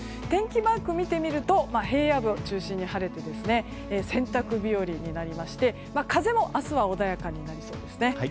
天気マークを見てみると平野部を中心に晴れて洗濯日和になりまして風も明日は穏やかになりそうですね。